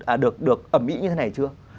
à được ẩm ý như thế này chưa